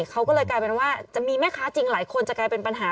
เขาก็เลยกลายเป็นว่าจะมีแม่ค้าจริงหลายคนจะกลายเป็นปัญหา